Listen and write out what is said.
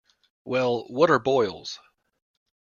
Well, what are boils?